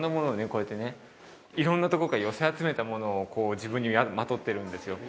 こうやってね色んなとこから寄せ集めたものをこう自分にまとってるんですよ